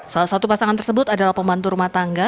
salah satu pasangan tersebut adalah pembantu rumah tangga